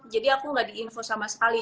jadi aku gak diinfus sama sekali